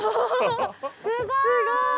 すごーい！